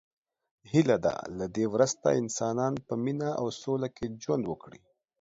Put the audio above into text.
هیله ده له دی وروسته انسانان په مینه او سوله کې ژوند وکړي.